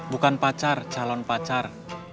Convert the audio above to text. bukan pacar calon pacar